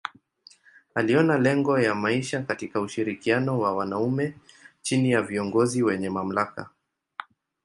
Aliona lengo ya maisha katika ushirikiano wa wanaume chini ya viongozi wenye mamlaka.